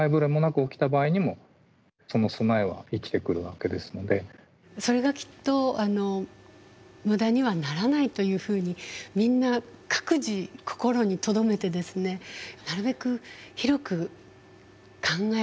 そうするとそれがきっと無駄にはならないというふうにみんな各自心にとどめてですねなるべく広く考えるようにするっていうんでしょうか。